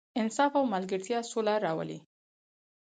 انصاف او ملګرتیا سوله راولي.